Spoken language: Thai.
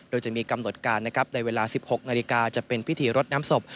โดยจะมีกำหนดการนะครับในเวลา๑๖นาฬิกาจะเป็นพิธีรดน้ำศพ